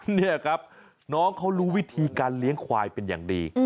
อ๋อหรอนี่แหละครับน้องเขรู้วิธีการเลี้ยงควายเป็นอย่างดี